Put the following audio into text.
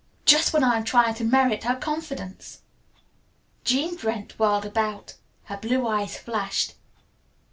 Just when I am trying to merit her confidence." Jean Brent whirled about. Her blue eyes flashed.